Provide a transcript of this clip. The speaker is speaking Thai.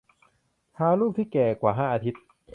หารูปที่แก่กว่าห้าอาทิตย์